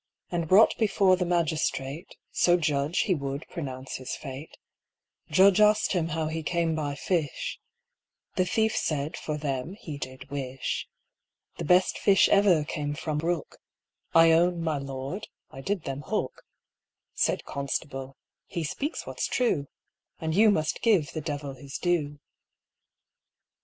And brought before the magistrate, So judge he would pronounce his fate, Judge asked him how he came by fish, The thief said for them he did wish, The best fish ever came from brook, I own, my Lord, I did them hook, Said constable, he speaks what's true, And you must give the devil his due.